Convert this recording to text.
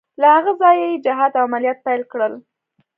له هغه ځایه یې جهاد او عملیات پیل کړل.